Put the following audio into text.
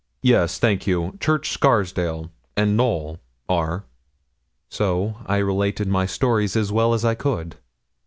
'Yes, thank you Church Scarsdale and Knowl are?' So I related my stories as well as I could.